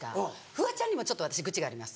フワちゃんにも私愚痴があります。